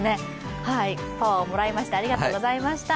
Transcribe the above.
パワーをもらいまして、ありがとうございました。